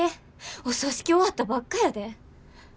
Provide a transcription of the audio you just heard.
お葬式終わったばっかやで。